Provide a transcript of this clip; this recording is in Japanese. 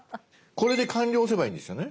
これで「完了」を押せばいいんですよね？